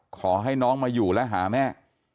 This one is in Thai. ขอให้น้องมาอยู่และหาแม่